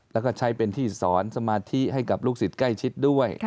แล้วก็ใช้เป็นที่สอนสมาธิให้กับลูกศิษย์ใกล้ชิดด้วย